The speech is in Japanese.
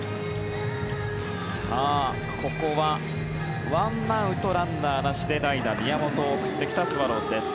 ここは１アウト、ランナーなしで代打、宮本を送ってきたスワローズです。